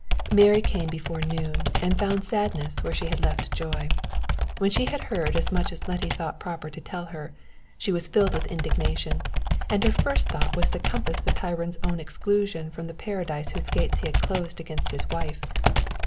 Mary came before noon, and found sadness where she had left joy. When she had heard as much as Letty thought proper to tell her, she was filled with indignation, and her first thought was to compass the tyrant's own exclusion from the paradise whose gates he closed against his wife.